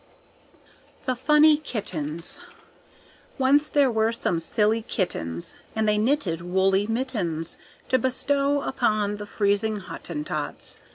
The Funny Kittens Once there were some silly kittens, And they knitted woolly mittens To bestow upon the freezing Hottentots.